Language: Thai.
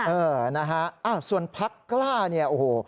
เออนะฮะส่วนพักกล้าเนี่ยโอ้โห